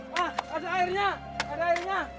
mas masuk airnya ada airnya